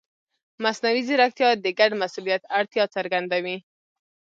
مصنوعي ځیرکتیا د ګډ مسؤلیت اړتیا څرګندوي.